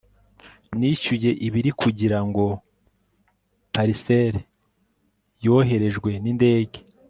nishyuye ibiri kugirango parcelle yoherejwe nindege